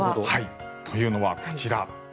というのは、こちら。